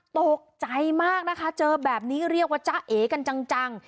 ตกใจมากนะคะเจอแบบนี้เรียกว่าจ้าเอกันจัง